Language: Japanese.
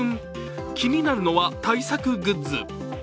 気になるのは対策グッズ。